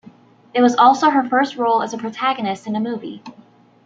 It was also her first role as a protagonist in a movie.